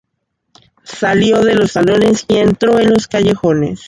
Salió de los salones y entró en los callejones.